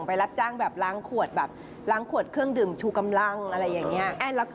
รับจ้างแบบล้างขวดแบบล้างขวดเครื่องดื่มชูกำลังอะไรอย่างนี้